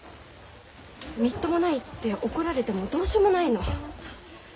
みっともないって怒られてもどうしようもないの。